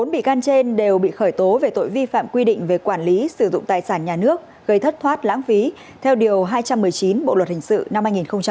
bốn bị can trên đều bị khởi tố về tội vi phạm quy định về quản lý sử dụng tài sản nhà nước gây thất thoát lãng phí theo điều hai trăm một mươi chín bộ luật hình sự năm hai nghìn một mươi năm